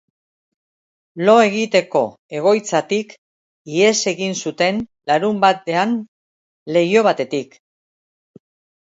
Lo egiteko egoitzatik ihes egin zuten larunbatdean, leiho batetik.